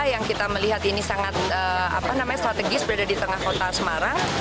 yang kita melihat ini sangat strategis berada di tengah kota semarang